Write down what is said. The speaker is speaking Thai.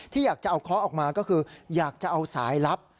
อยากจะเอาเคาะออกมาก็คืออยากจะเอาสายลับ